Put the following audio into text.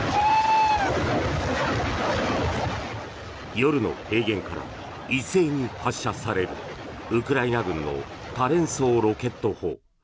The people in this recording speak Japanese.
夜の平原から一斉に発射されるウクライナ軍の多連装ロケット砲。